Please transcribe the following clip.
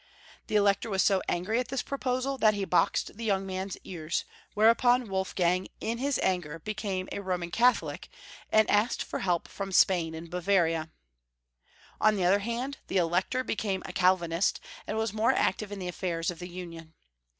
The Elector was so angry at this pro posal that he boxed the young man's ears, where upon Wolfgang, in his anger, became a Roman Rudolf II. 319 Catholic, and asked for help from Spain and Bava ria. On the other hand the Elector became a Calvinist, and was more active in the affairs of the union.